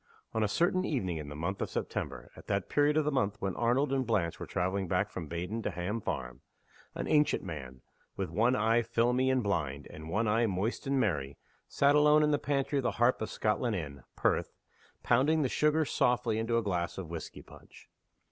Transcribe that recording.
ON a certain evening in the month of September (at that period of the month when Arnold and Blanche were traveling back from Baden to Ham Farm) an ancient man with one eye filmy and blind, and one eye moist and merry sat alone in the pantry of the Harp of Scotland Inn, Perth, pounding the sugar softly in a glass of whisky punch.